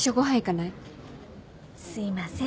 すいません。